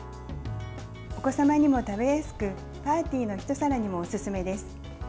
お子様にも食べやすくパーティーのひと皿にもおすすめです。